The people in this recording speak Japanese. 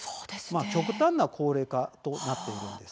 極端な高齢化となっています。